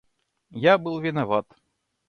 Я был виноват.